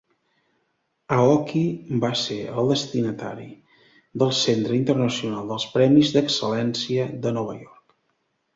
Aoki va ser el destinatari del Centre Internacional dels Premis d'Excel·lència de Nova York.